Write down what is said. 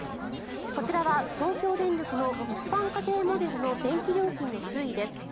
こちらは東京電力の一般家庭モデルの電気料金の推移です。